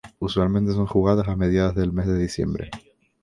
Usualmente son jugados a mediados del mes de diciembre.